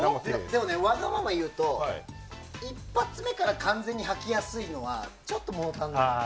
でもね、わがまま言うと一発目から完全に履きやすいのはちょっと物足りない。